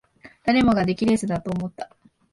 誰もが出来レースだと思った